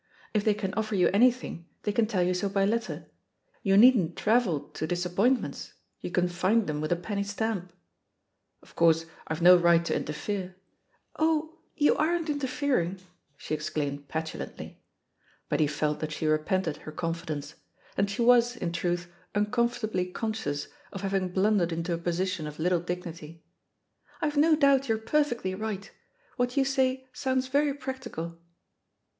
If they can offer you anything, they can tell you so by letter — ^you needn't travel to disappointments, you can find them with a penny stamp. Of course, I've no right to inter fere '' 0h, you aren't interfering!*' she exclaimed THE POSITION OF PEGGY HARPER 18« petulantly. But he felt that she repented her confidence. And she was, in truth, uncomf ort* ahly conscious of having blundered into a posi tion of little dignity. "IVe no doubt you're per fectly right; what you say sounds very practical.